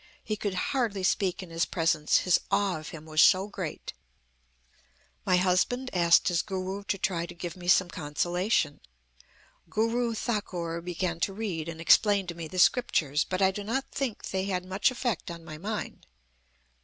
He could hardly speak in his presence, his awe of him was so great. "My husband asked his Guru to try to give me some consolation. Guru Thakur began to read and explain to me the scriptures. But I do not think they had much effect on my mind.